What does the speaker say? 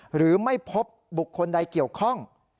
หรือไม่พบบุคคลใดเกี่ยวข้อง